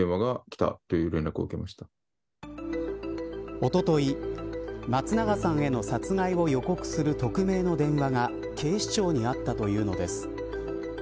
おととい松永さんへの殺害を予告する匿名の電話が警視庁にあったというのです。